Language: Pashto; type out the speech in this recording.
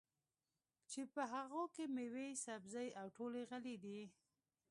چې په هغو کې مېوې، سبزۍ او ټولې غلې